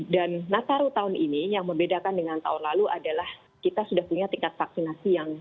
dan nataru tahun ini yang membedakan dengan tahun lalu adalah kita sudah punya tingkat vaksinasi yang cukup